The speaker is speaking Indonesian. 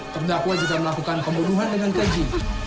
terdakwa juga melakukan pembunuhan dengan keji